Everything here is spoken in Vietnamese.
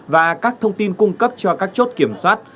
và các thông tin cung cấp cho các chốt kiểm soát